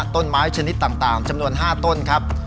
ต้นไม้ชนิดต่างจำนวน๕ต้นครับ